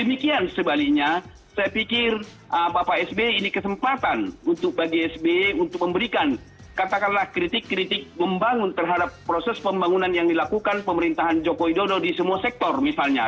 demikian sebaliknya saya pikir bapak sbi ini kesempatan untuk bagi sby untuk memberikan katakanlah kritik kritik membangun terhadap proses pembangunan yang dilakukan pemerintahan joko widodo di semua sektor misalnya